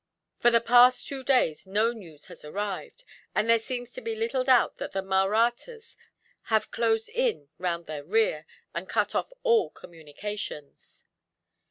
For the past two days no news has arrived, and there seems to be little doubt that the Mahrattas have closed in round their rear, and cut off all communications."